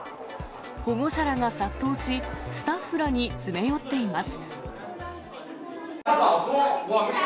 保護者らが殺到し、スタッフらに詰め寄っています。